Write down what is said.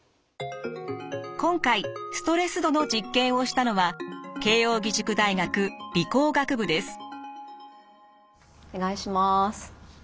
今回ストレス度の実験をしたのはお願いします。